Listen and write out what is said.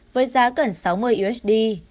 với giá gần sáu mươi usd